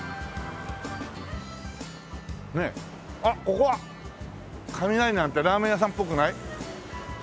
あっここは「雷」なんてラーメン屋さんっぽくない？